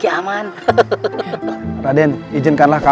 menjamu raden dan guru saya